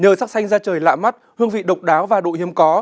nhờ sắc xanh ra trời lạ mắt hương vị độc đáo và độ hiếm có